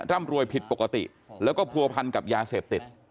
ร่ำรวยผิดปกติแล้วก็ผัวพันกับยาเสพติด